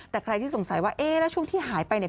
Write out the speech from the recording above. แต่ใครที่สงสัยว่าเอ๊ะแล้วช่วงที่หายไปเนี่ย